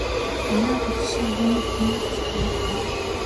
Манай багш шиг өгөөмөр хүн ч ховор доо.